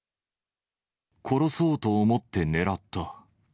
殺そうと思って狙った。